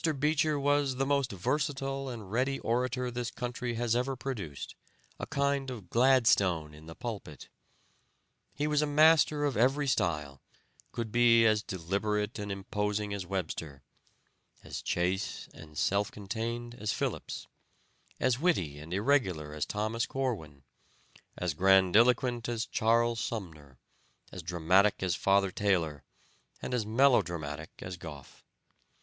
Beecher was the most versatile and ready orator this country has ever produced, a kind of Gladstone in the pulpit. He was a master of every style; could be as deliberate and imposing as Webster; as chaste and self contained as Phillips; as witty and irregular as Thomas Corwin; as grandiloquent as Charles Sumner; as dramatic as father Taylor, and as melo dramatic as Gough.